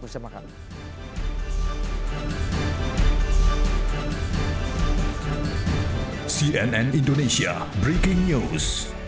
bersama kami cnn indonesia breaking news